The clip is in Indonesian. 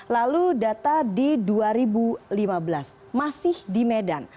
lalu data di dua ribu lima belas masih di medan